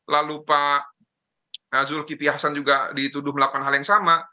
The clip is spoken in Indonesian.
lalu pak zulkifli hasan juga dituduh melakukan hal yang sama